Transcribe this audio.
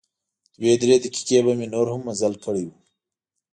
دوه درې دقیقې به مې نور هم مزل کړی و.